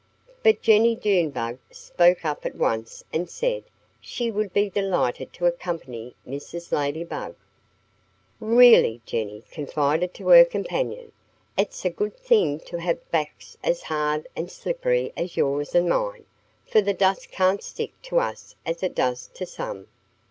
But Jennie Junebug spoke up at once and said she would be delighted to accompany Mrs. Ladybug. "Really," Jennie confided to her companion, "it's a good thing to have backs as hard and slippery as yours and mine. For the dust can't stick to us as it does to some."